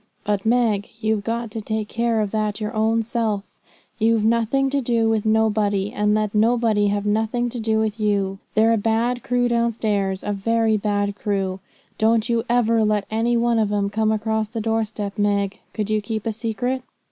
But, Meg, you've got to take care of that your own self. You've nothing to do with nobody, and let nobody have nothing to do with you. They're a bad crew downstairs, a very bad crew. Don't you ever let any one of 'em come across the door step. Meg, could you keep a secret?'